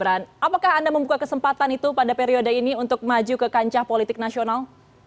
apakah anda membuka kesempatan itu pada periode ini untuk maju ke kancah politik nasional